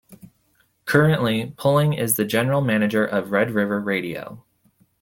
Currently, Poling is the general manager of Red River Radio.